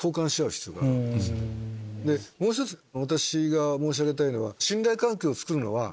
もう１つ私が申し上げたいのは。